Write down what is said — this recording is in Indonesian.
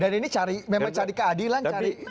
dan ini memang cari keadilan